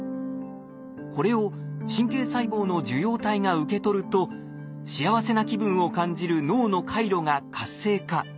これを神経細胞の受容体が受け取ると幸せな気分を感じる脳の回路が活性化。